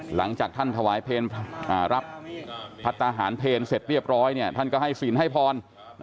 หลังจากท่านถวายเพลงรับพัฒนาหารเพลเสร็จเรียบร้อยท่านก็ให้ศีลให้พร